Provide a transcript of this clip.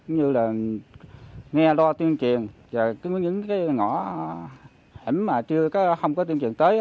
nghe loa tuyên truyền những ngõ hẻm mà chưa có tuyên truyền tới